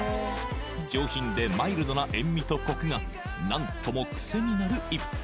上品でマイルドな塩味とコクが何とも癖になる逸品